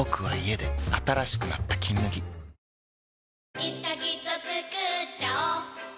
いつかきっとつくっちゃおう